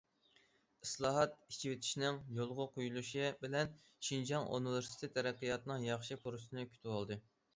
ئىسلاھات، ئېچىۋېتىشنىڭ يولغا قويۇلۇشى بىلەن شىنجاڭ ئۇنىۋېرسىتېتى تەرەققىياتنىڭ ياخشى پۇرسىتىنى كۈتۈۋالدى.